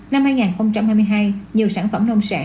năm hai nghìn hai mươi hai nhiều sản phẩm nông sản